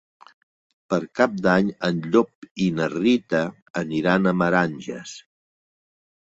Per Cap d'Any en Llop i na Rita aniran a Meranges.